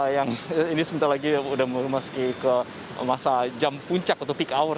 yang ini sebentar lagi sudah memasuki ke masa jam puncak atau peak hour